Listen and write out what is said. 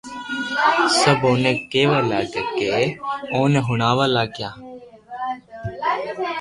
سب اوني ڪيوا لاگيا ڪي اوني ھڻاوي لاگيا